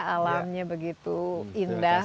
alamnya begitu indah